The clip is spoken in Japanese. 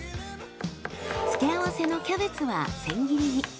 付け合わせのキャベツは千切りに。